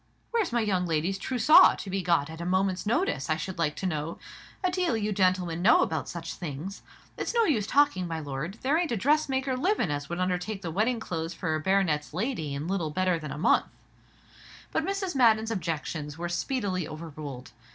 "Where's my young lady's trussaw to be got at a moment's notice, I should like to know? A deal you gentlemen know about such things. It's no use talking, my lord, there ain't a dressmaker livin' as would undertake the wedding clothes for baronet's lady in little better than a month." But Mrs. Madden's objections were speedily overruled.